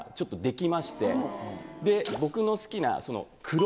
僕の好きな。